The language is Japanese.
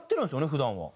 普段は。